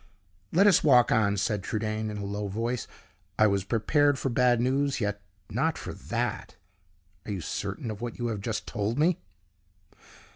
"Let us walk on," said Trudaine, in a low voice. "I was prepared for bad news, yet not for that. Are you certain of what you have just told me?"